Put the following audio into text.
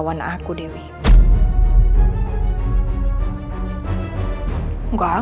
pernah memiliki pendorotan